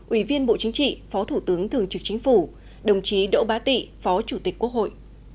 ủy viên bộ chính trị phó thủ tướng thường trực chính phủ đồng chí đỗ bá tị phó chủ tịch quốc hội